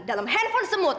dalem handphone semut